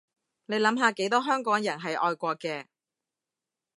你諗下幾多香港人係愛國嘅